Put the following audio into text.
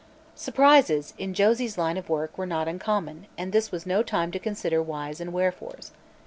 Surprises, in Josie's line of work were not uncommon, and this was no time to consider whys and wherefores.